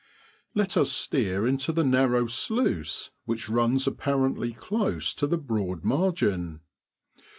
Let us steer into the narrow sluice which runs apparently close to the Broad margin.